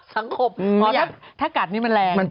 ศังฆาตด้านกลาง